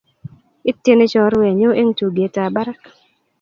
Ityeni chorwenyu eng' tugetab barak